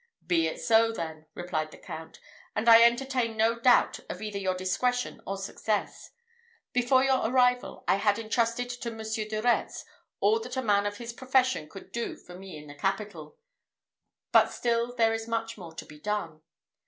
"Be it so then," replied the Count; "and I entertain no doubt of either your discretion or success. Before your arrival, I had intrusted to Monsieur de Retz all that a man of his profession could do for me in the capital; but still there is much more to be done.